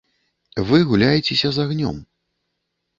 Вы гуляецеся з агнём.